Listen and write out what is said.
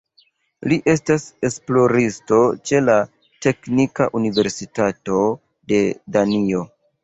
Li estas esploristo ĉe la Teknika Universitato de Danio.